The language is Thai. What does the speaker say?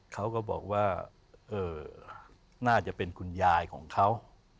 เขาก็บอกว่าน่าจะเป็นคุณยายของเขา